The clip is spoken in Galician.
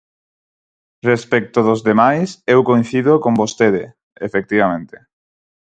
Respecto dos demais, eu coincido con vostede, efectivamente.